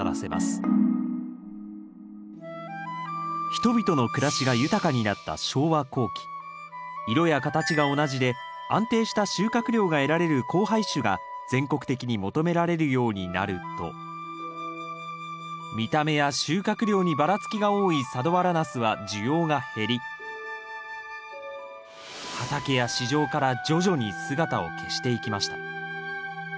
人々の暮らしが豊かになった昭和後期色や形が同じで安定した収穫量が得られる交配種が全国的に求められるようになると見た目や収穫量にバラつきが多い佐土原ナスは需要が減り畑や市場から徐々に姿を消していきました。